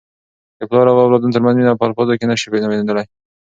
د پلار او اولاد ترمنځ مینه په الفاظو کي نه سي بیانیدلی.